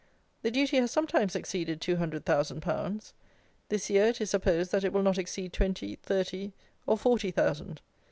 The duty has sometimes exceeded two hundred thousand pounds. This year it is supposed that it will not exceed twenty, thirty, or forty thousand.